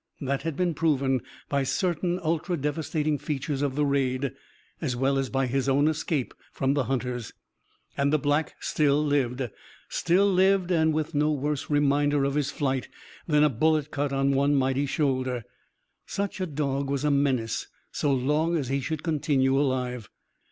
That had been proven by certain ultra devastating features of the raid; as well as by his own escape from the hunters. And the Black still lived; still lived, and with no worse reminder of his flight than a bullet cut on one mighty shoulder. Such a dog was a menace; so long as he should continue alive.